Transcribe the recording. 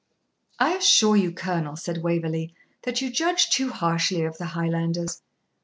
'I assure you, Colonel,' said Waverley,'that you judge too harshly of the Highlanders.'